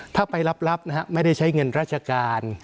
ถ้าไปรับนะฮะไม่ได้ใช้เงินราชการ